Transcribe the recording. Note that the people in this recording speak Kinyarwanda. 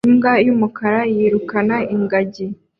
Imbwa y'umukara yirukana ingagi